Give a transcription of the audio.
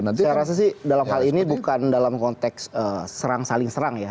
saya rasa sih dalam hal ini bukan dalam konteks serang saling serang ya